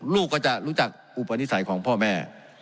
ลูกก็จะรู้จักอุปนิสัยของพ่อแม่